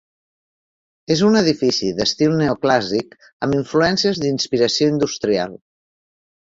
És un edifici d'estil neoclàssic amb influències d'inspiració industrial.